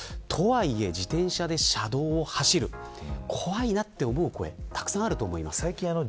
とはいえ、自転車で車道を走る怖いなと思う声がたくさんあると思います。